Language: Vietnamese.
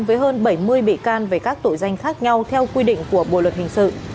với hơn bảy mươi bị can về các tội danh khác nhau theo quy định của bộ luật hình sự